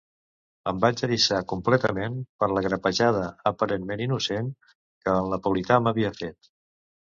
Em vaig eriçar, completament, per la grapejada ¾aparentment innocent¾que el napolità m'havia fet.